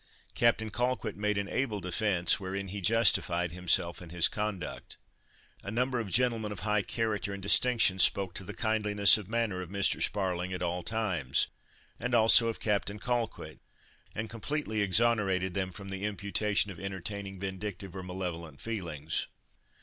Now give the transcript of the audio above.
Captain Colquitt made an able defence, wherein he justified himself and his conduct. A number of gentlemen of high character and distinction spoke to the kindliness of manner of Mr. Sparling at all times, and also of Captain Colquitt, and completely exonerated them from the imputation of entertaining vindictive or malevolent feelings.